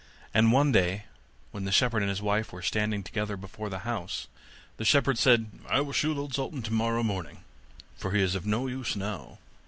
And one day when the shepherd and his wife were standing together before the house the shepherd said, 'I will shoot old Sultan tomorrow morning, for he is of no use now.